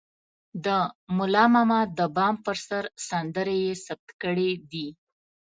د ملا ماما د بام پر سر سندرې يې ثبت کړې دي.